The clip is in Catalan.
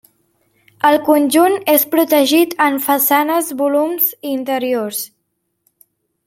El conjunt és protegit en façanes, volums i interiors.